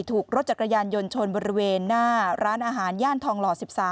ถูกรถจักรยานยนต์ชนบริเวณหน้าร้านอาหารย่านทองหล่อ๑๓